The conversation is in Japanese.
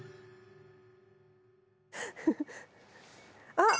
あっ！